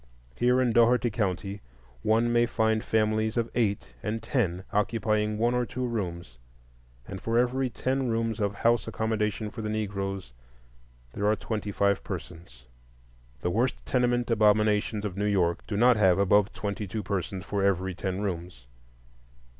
Here in Dougherty County one may find families of eight and ten occupying one or two rooms, and for every ten rooms of house accommodation for the Negroes there are twenty five persons. The worst tenement abominations of New York do not have above twenty two persons for every ten rooms.